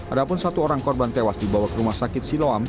ada pun satu orang korban tewas dibawa ke rumah sakit siloam